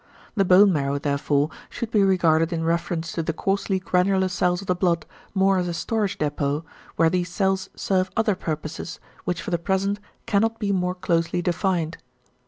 =The bone marrow therefore should be regarded in reference to the coarsely granular cells of the blood more as a storage depôt, where these cells serve other purposes, which for the present cannot be more closely defined.